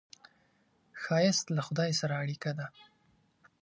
ښایست له خدای سره اړیکه ده